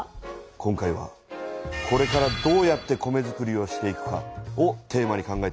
今回は「これからどうやって米づくりをしていくか」をテーマに考えてほしい。